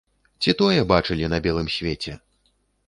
Ці тое бачылі на белым свеце!